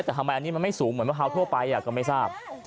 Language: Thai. แต่ทำไมอันนี้มันไม่สูงเหมือนมะพร้าวทั่วไปก็ไม่ทราบ